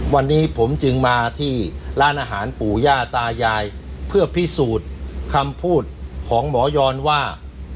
วันนี้ผมจึงมาที่ร้านอาหารปู่ย่าตายายเพื่อพิสูจน์คำพูดของหมอยอนว่า